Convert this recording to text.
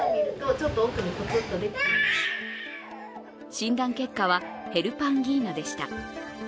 診断結果はヘルパンギーナでした。